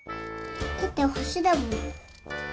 だってほしだもん。